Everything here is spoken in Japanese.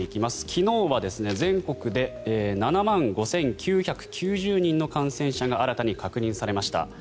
昨日は全国で７万５９９０人の感染者が新たに確認されました。